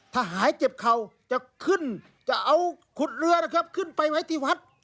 ถ้าหายเจ็บเข่าจะขึ้นจะเอาขุดเรือนะครับขึ้นไปไว้ที่วัด